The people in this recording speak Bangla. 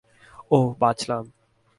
ওহ, বাঁচলাম।